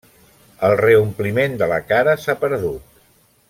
El reompliment de la cara s'ha perdut.